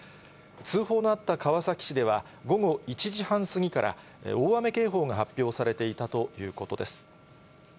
通報のあった川崎市では、午後１時半過ぎから大雨警報が発表されていたということです。